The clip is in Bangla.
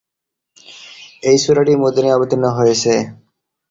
এই সূরাটি মদীনায় অবতীর্ণ হয়েছে।